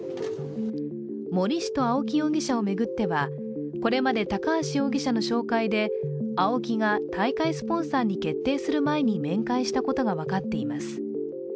森氏と青木容疑者を巡ってはこれまで高橋容疑者の紹介でＡＯＫＩが大会スポンサーに決定する前に面会したことが分かっています。